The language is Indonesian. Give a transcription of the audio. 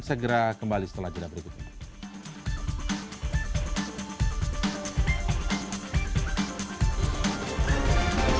segera kembali setelah cerita berikutnya